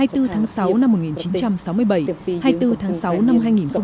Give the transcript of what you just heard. hai mươi bốn tháng sáu năm một nghìn chín trăm sáu mươi bảy hai mươi bốn tháng sáu năm hai nghìn một mươi chín